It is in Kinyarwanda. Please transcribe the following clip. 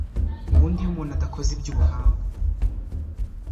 ubundi iyo umuntu adakoze iby’ubuhanga